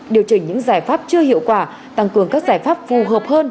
điều chỉnh những giải pháp chưa hiệu quả tăng cường các giải pháp phù hợp hơn